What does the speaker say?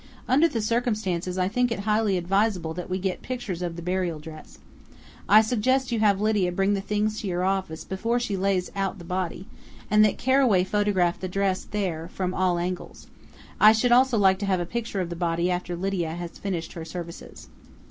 "Under the circumstances, I think it highly advisable that we get pictures of the burial dress. I suggest you have Lydia bring the things to your office before she lays out the body, and that Carraway photograph the dress there, from all angles. I should also like to have a picture of the body after Lydia has finished her services."